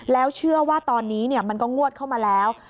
แล้วเชื่อว่าตอนนี้มันก็งวดเข้ามาแล้ว